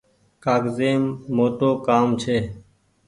ڪآگز يم موٽو ڪآم ڇي۔